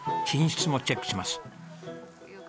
品質もチェックします。